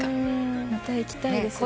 また行きたいです。